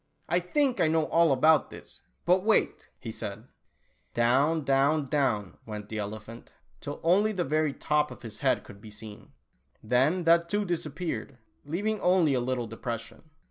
" I think I know all about this, but wait," he said. Down, down, down went the elephant, till only the very top of his head could be seen. Then that too disappeared, leaving only a little depression.